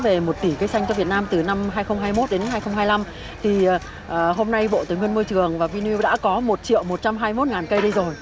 về một tỷ cây xanh cho việt nam từ năm hai nghìn hai mươi một đến hai nghìn hai mươi năm thì hôm nay bộ tài nguyên môi trường và vinam đã có một triệu một trăm hai mươi một ngàn cây đây rồi